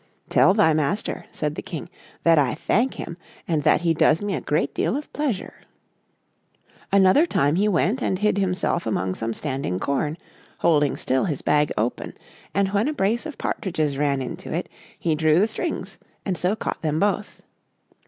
"Tell thy master," said the King, "that I thank him, and that he does me a great deal of pleasure." Another time he went and hid himself among some standing corn, holding still his bag open; and when a brace of partridges ran into it, he drew the strings, and so caught them both.